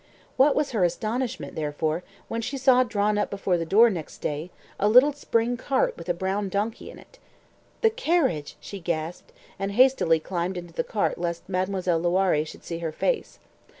What was her astonishment, therefore, when she saw drawn up before the door next day, a little spring cart with a brown donkey in it. "The carriage!" she gasped, and hastily climbed into the cart lest Mademoiselle Loiré should see her face.